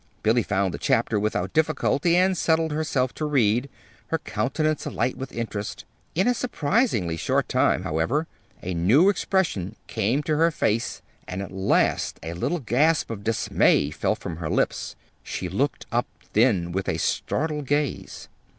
Billy found the chapter without difficulty and settled herself to read, her countenance alight with interest. In a surprisingly short time, however, a new expression came to her face; and at last a little gasp of dismay fell from her lips. She looked up then, with a startled gaze.